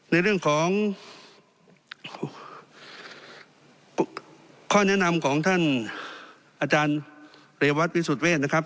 ในเรื่องของข้อแนะนำของท่านอาจารย์เรวัตวิสุทธิเวศนะครับ